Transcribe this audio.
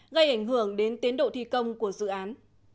gây ảnh hưởng đến tiến độ thi công của dự án